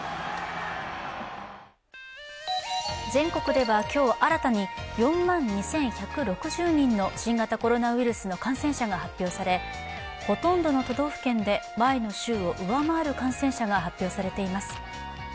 全国では今日新たに４万２１６０人の新型コロナウイルスの感染者が発表されほとんどの都道府県で前の週を上回る感染者が発表されています。